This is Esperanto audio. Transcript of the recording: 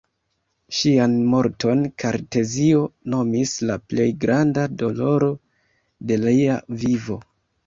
Ŝian morton Kartezio nomis la plej granda doloro de lia vivo.